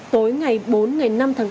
tối ngày bốn ngày năm tháng tám